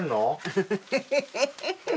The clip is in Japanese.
フフフ。